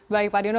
baik pak dino